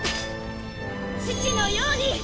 父のように！